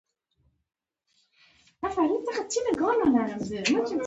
پاڅون د سیاسي نظام په وړاندې حرکت دی.